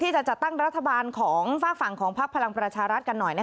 จะจัดตั้งรัฐบาลของฝากฝั่งของพักพลังประชารัฐกันหน่อย